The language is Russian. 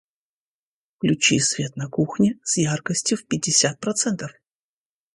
Включи свет на кухне с яркостью в пятьдесят процентов.